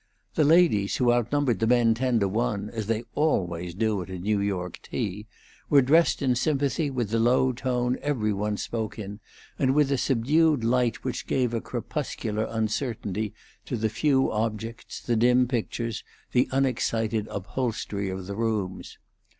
The ladies, who outnumbered the men ten to one, as they always do at a New York tea, were dressed in sympathy with the low tone every one spoke in, and with the subdued light which gave a crepuscular uncertainty to the few objects, the dim pictures, the unexcited upholstery, of the rooms.